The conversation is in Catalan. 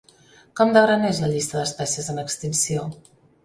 Com de gran és la llista d'espècies en extinció?